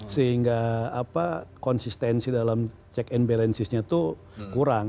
sehingga konsistensi dalam check and balancesnya itu kurang